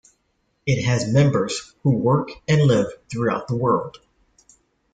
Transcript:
It has members who work and live throughout world.